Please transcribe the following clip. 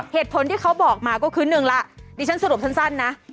เหตุผลที่เขาบอกมาก็คือหนึ่งละดิฉันสรุปสั้นนะ